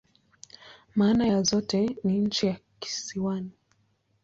Maana ya zote ni "nchi ya kisiwani.